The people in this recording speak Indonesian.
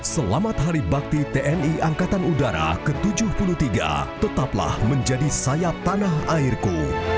selamat hari bakti tni angkatan udara ke tujuh puluh tiga tetaplah menjadi sayap tanah airku